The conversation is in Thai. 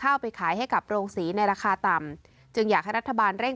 ไปขายให้กับโรงศรีในราคาต่ำจึงอยากให้รัฐบาลเร่ง